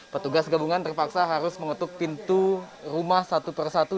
petugas gabungan terpaksa harus mengetuk pintu rumah satu persatu